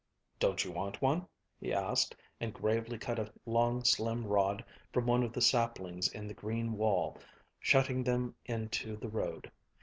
"Don't you want one?" he asked, and gravely cut a long, slim rod from one of the saplings in the green wall shutting them into the road.